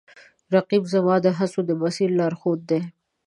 رقیب زما د هڅو د مسیر لارښود دی